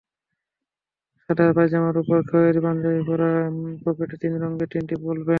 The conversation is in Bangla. সাদা পায়জামার ওপর খয়েরি পাঞ্জাবি পরা, পকেটে তিন রঙের তিনটি বলপেন।